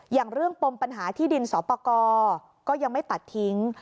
อย่างเรื่องปมปัญหาที่ดินสอปกรก็ยังไม่ตัดทิ้ง